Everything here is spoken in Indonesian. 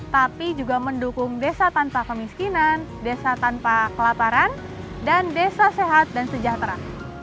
tapi juga mendukung desa tanpa kemiskinan desa tanpa kelaparan dan desa sehat dan sejahtera